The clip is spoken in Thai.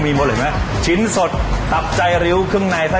เดี๋ยวเว้นจากราภาพนี่ยังไง